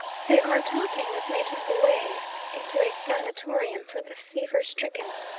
They are talking of making Buea into a sanatorium for the fever stricken.